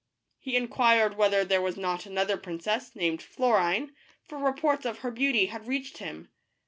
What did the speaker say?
He inquired whether there was not another princess, named Florine, for reports of her beauty had reached him.